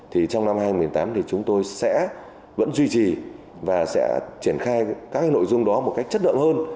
thì trong năm hai nghìn một mươi tám thì chúng tôi sẽ vẫn duy trì và sẽ triển khai các nội dung đó một cách chất lượng hơn